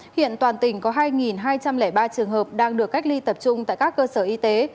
hiện toàn tỉnh có hai hai trăm linh ba trường hợp đang được cách ly tập trung tại các cơ sở y tế